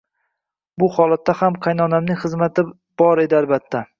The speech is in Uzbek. Bu holatda ham qaynonamning xizmati bor edi albatta